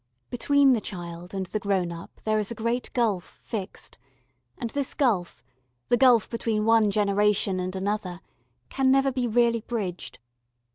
Between the child and the grown up there is a great gulf fixed and this gulf, the gulf between one generation and another, can never be really bridged.